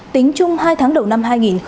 tính chung hai tháng đầu năm hai nghìn hai mươi